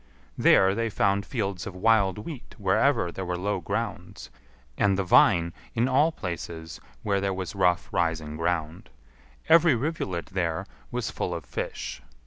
There they found fields of wild wheat wherever there were low grounds; and the vine in all places were there was rough rising ground. Every rivulet there was full of fish.